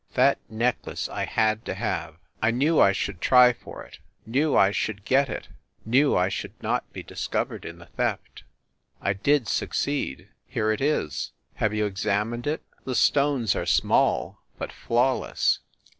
That necklace I had to have! I knew I should try for it, knew I should get it, knew I should not be discovered in the theft. I did succeed. Here it is! Have you examined it? The stones are small, but flawless.